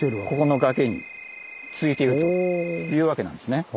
ここの崖に続いているというわけなんですね。